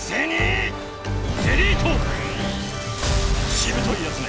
しぶといやつめ。